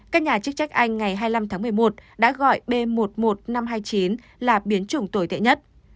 các nhà chức trách anh ngày hai mươi năm tháng một mươi một đã gọi b một mươi một nghìn năm trăm hai mươi chín là biến chủng tồi tệ nhất